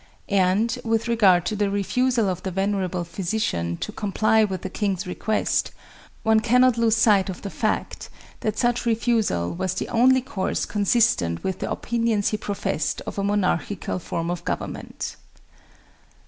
And, with regard to the refusal of the venerable physician to comply with the king's request, one cannot lose sight of the fact that such refusal was the only course consistent with the opinions he professed of a monarchical form of government.